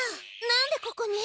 何でここに？